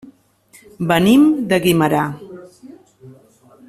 Venim de Guimerà.